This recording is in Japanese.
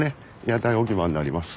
屋台置き場になります。